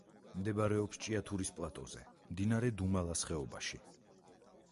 მდებარეობს ჭიათურის პლატოზე, მდინარე დუმალის ხეობაში.